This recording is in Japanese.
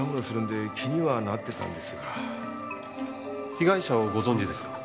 被害者をご存じですか？